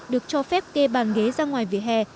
được cho phép kê bàn ghế ra ngoài vỉa hè